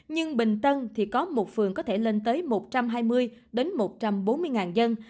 nhưng bình tân thì có một phường có thể lên tới một trăm hai mươi đến một trăm bốn mươi dân